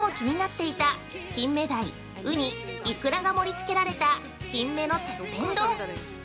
勝地さんは最も気になっていたキンメダイ、ウニ、イクラが盛り付けられた金目のてっぺん丼。